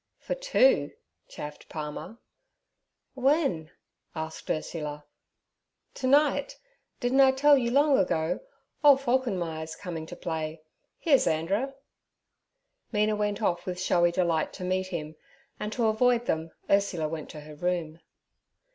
'For two?' chaffed Palmer. 'When?' asked Ursula. 'To night. Didn't I tell you long ago? Ole Falkenmeyer's comin' to play. Here's Andrer.' Mina went off with showy delight to meet him, and to avoid them Ursula went to her room.